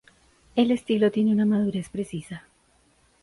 El estilo tiene una madurez precisa.